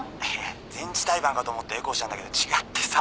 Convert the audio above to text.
「前置胎盤かと思ってエコーしたんだけど違ってさ」